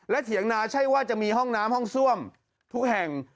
เถียงนาใช่ว่าจะมีห้องน้ำห้องซ่วมทุกแห่ง